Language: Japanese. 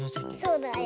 そうだよ。